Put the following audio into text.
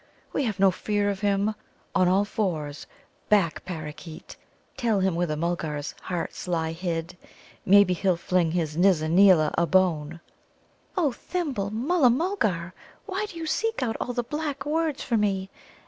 We have no fear of him. On all fours, back, parakeet; tell him where the Mulgars' hearts lie hid. Maybe he'll fling his Nizza neela a bone." "O Thimble, Mulla mulgar, why do you seek out all the black words for me?